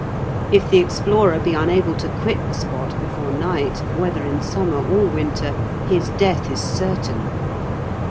If the explorer be unable to quit the spot before night, whether in summer or winter, his death is certain.